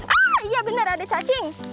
ah iya bener ada cacing